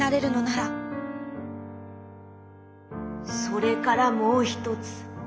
「それからもうひとつ。